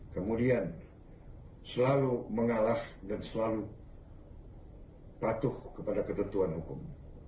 kemudian selalu mengalah dan selalu patuh kepada ketentuan hukum